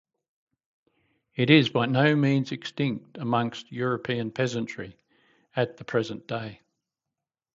It is by no means extinct among European peasantry at the present day.